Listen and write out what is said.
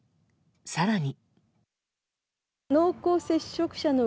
更に。